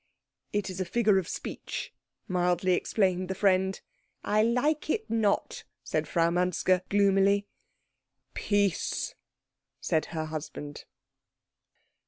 "It is a figure of speech," mildly explained the friend. "I like it not," said Frau Manske gloomily. "Peace," said her husband.